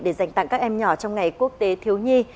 để dành tặng các em nhỏ trong ngày quốc tế thiếu nhi